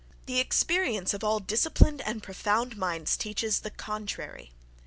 —The experience of all disciplined and profound minds teaches the contrary.